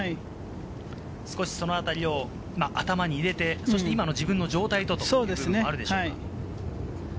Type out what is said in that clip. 少しその辺りを頭に入れて、そして今の自分の状態をという部分もあるでしょうか。